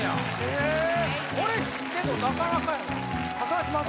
これ知ってんのなかなかやな